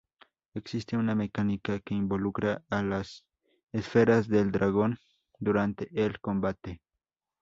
Existe una mecánica que involucra a las Esferas del Dragón durante el combate.